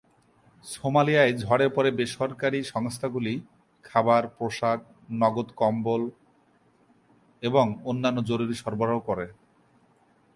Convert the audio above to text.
সোমালিয়ায় ঝড়ের পরে বেসরকারী সংস্থাগুলি খাবার, পোশাক, নগদ, কম্বল এবং অন্যান্য জরুরি সরবরাহ করে।